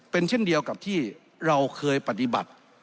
เป็นเช่นเดียวกับที่เราเคยปฏิบัติ